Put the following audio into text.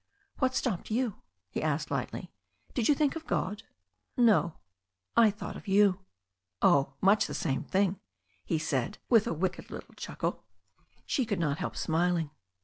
"What stopped you?" he asked lightly. "Did you think of God?" "No. I thought of you." "Oh, much the same thing," he said, with a wicked little chuckle. She could not help smiling.